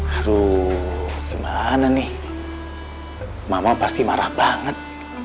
aduh gimana nih mama pasti marah banget